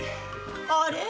あれ？